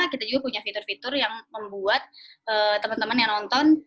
kita juga punya fitur fitur yang membuat teman teman yang nonton